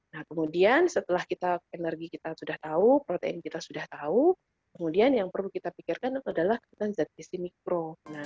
nah kemudian setelah energi kita sudah tahu protein kita sudah tahu kemudian yang perlu kita pikirkan adalah zat isi mikro